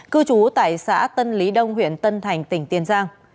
cư trú tại xã tân lý đông huyện tân thành tỉnh tiền giang